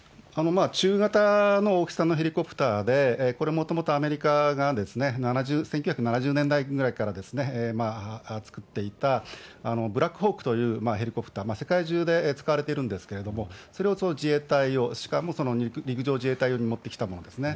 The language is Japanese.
中型の大きさのヘリコプターで、これもともとアメリカが、１９７０年代ぐらいから作っていたブラックホークというヘリコプター、世界中で使われているんですけれども、それを自衛隊用、しかも陸上自衛隊用に持ってきたものですね。